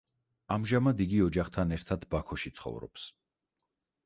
ამჟამად, იგი ოჯახთან ერთად ბაქოში ცხოვრობს.